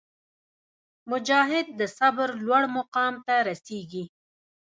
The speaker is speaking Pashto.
مجاهد د صبر لوړ مقام ته رسېږي.